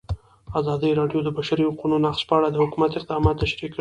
ازادي راډیو د د بشري حقونو نقض په اړه د حکومت اقدامات تشریح کړي.